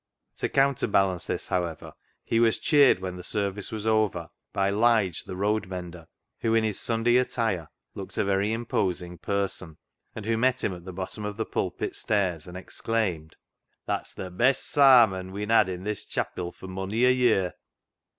To counterbalance this, however, he was cheered when the service was over by Lige, the road mender, who, in his Sunday attire, looked a very imposing person, and who met him at the bottom of the pulpit stairs, and exclaimed, " That's th' best sarmon we'n had i' this chapil for mony a ye'r."